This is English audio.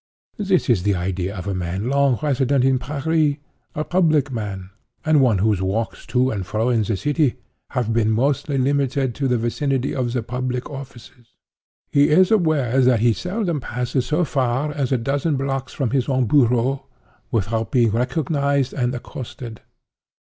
This is the idea of a man long resident in Paris—a public man—and one whose walks to and fro in the city, have been mostly limited to the vicinity of the public offices. He is aware that he seldom passes so far as a dozen blocks from his own bureau, without being recognized and accosted.